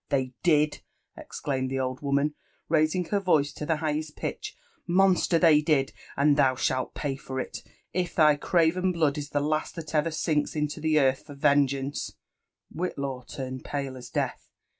— they did I —" exclaimed the old woman, raising her voice to the highest piteb; ''nooster, Aey did I— and thou shalt pay for ••• UFE AND ADVENTURES OP «. if thy craven blood is the last that ever sinks into the earth for vengeance 1" Whitlaw fomed pale as death.